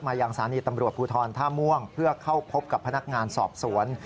ยังสถานีตำรวจภูทรท่าม่วงเพื่อเข้าพบกับพนักงานสอบสวน